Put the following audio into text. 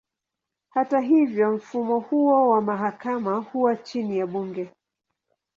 Hata hivyo, mfumo huo wa mahakama huwa chini ya bunge.